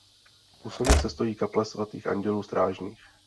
U silnice stojí kaple svatých Andělů Strážných.